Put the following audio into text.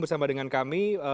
bersama dengan kami